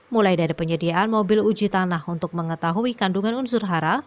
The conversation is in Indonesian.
mulai dari penyediaan mobil uji tanah untuk mengetahui kandungan unsur hara